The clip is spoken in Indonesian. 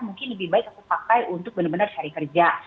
mungkin lebih baik aku pakai untuk benar benar cari kerja